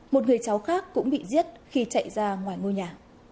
một người cháu khác cũng bị giết khi chạy ra ngoài ngôi nhà